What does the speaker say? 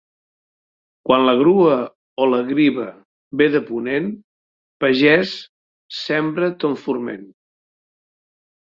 Quan la grua o la griva ve de ponent, pagès, sembra ton forment.